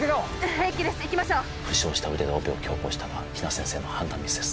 平気ですいきましょう負傷した腕でオペを強行したのは比奈先生の判断ミスです